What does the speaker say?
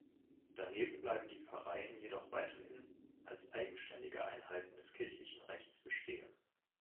Daneben bleiben die Pfarreien jedoch weiterhin als eigenständige Einheiten des kirchlichen Rechts bestehen.